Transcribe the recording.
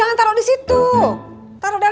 jangan taro disitu taro dalem